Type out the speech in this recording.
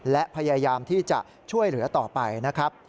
และพยายามที่จะช่วยเหลือต่อไปนะครับ